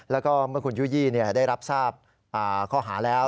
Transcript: แล้วก็เมื่อคุณยู่ยี่ได้รับทราบข้อหาแล้ว